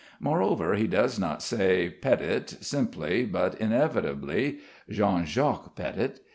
Moreover, he does not say Petit simply but inevitably, Jean Jacques Petit.